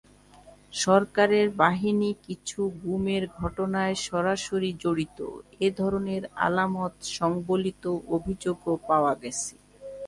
সরকারের বাহিনী কিছু গুমের ঘটনায় সরাসরি জড়িত—এ ধরনের আলামত-সংবলিত অভিযোগও পাওয়া গেছে।